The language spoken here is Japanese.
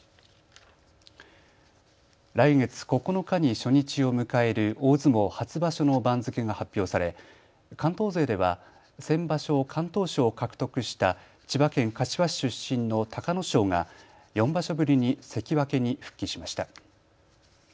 来月９日に初日を迎える大相撲初場所の番付が発表され関東西では先場所、敢闘賞を獲得した千葉県柏市出身の隆の勝が４場所ぶりに関脇に復帰しました。